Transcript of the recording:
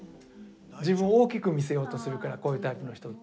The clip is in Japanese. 自分を大きく見せようとするからこういうタイプの人って。